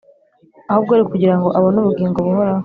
ahubwo ari ukugira ngo abone ubugingo buhoraho